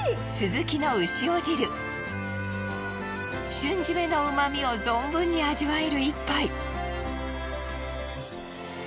瞬〆のうまみを存分に味わえる１杯。